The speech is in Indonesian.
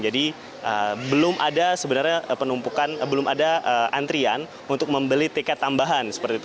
jadi belum ada sebenarnya penumpukan belum ada antrian untuk membeli tiket tambahan seperti itu